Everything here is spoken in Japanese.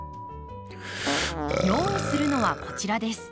用意するのはこちらです。